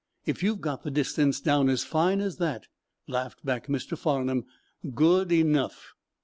"If you've got the distance down as fine as that," laughed back Mr. Farnum, "good enough!"